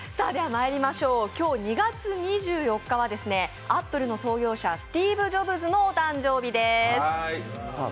今日、２月２４日はアップルの創業者スティーブ・ジョブズのお誕生日です。